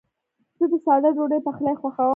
زه د ساده ډوډۍ پخلی خوښوم.